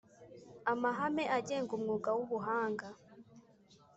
amahame agenga umwuga w ubuhanga